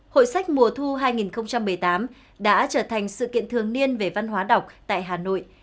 hội sách mùa thu hai nghìn một mươi tám đã trở thành sự kiện thường niên về văn hóa đọc tại hà nội